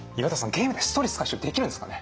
ゲームでストレス解消できるんですかね？